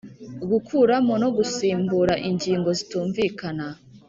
Gukuramo no gusimbura ingingo zitumvikana